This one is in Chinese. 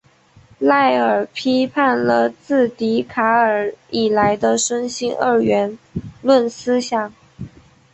赖尔批判了自笛卡尔以来的身心二元论思想。